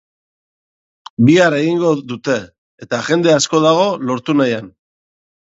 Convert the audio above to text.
Bihar egingo dute, eta jende asko dago lortu nahian.